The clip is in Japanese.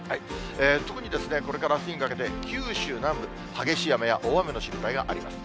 特にこれからあすにかけて、九州南部、激しい雨や大雨の心配があります。